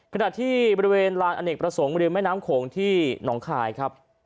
ขณะที่บริเวณลานอเนกประสงค์ริมแม่น้ำโขงที่หนองคายครับ